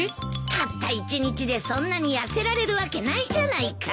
たった一日でそんなに痩せられるわけないじゃないか。